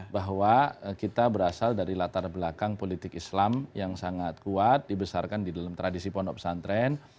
bahwa kita berasal dari latar belakang politik islam yang sangat kuat dibesarkan di dalam tradisi pondok pesantren